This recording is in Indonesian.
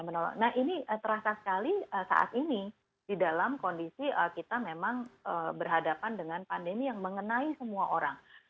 nah ini terasa sekali saat ini di dalam kondisi kita memang berhadapan dengan pandemi yang mengenai semua orang